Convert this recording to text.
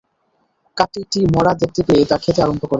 কাকটি একটি মড়া দেখতে পেয়ে তা খেতে আরম্ভ করে।